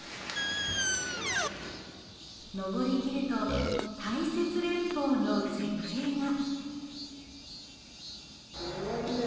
登りきると大雪連峰の絶景が。